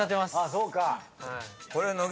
そうか。